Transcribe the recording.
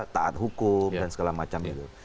tak taat hukum dan segala macam itu